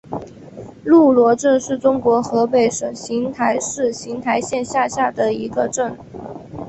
路罗镇是中国河北省邢台市邢台县下辖的一个镇。